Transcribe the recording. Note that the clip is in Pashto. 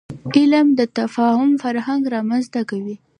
علم د تفاهم فرهنګ رامنځته کوي.